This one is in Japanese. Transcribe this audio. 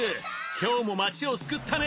今日も町を救ったね